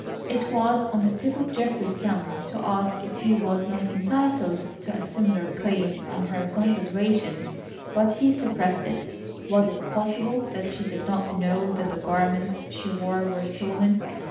It was on the tip of Geoffrey's tongue to ask if he was not entitled to a similar claim on her consideration, but he suppressed it. Was it possible that she did not know that the garments she wore were stolen?